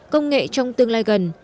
công nghệ trong tương lai gần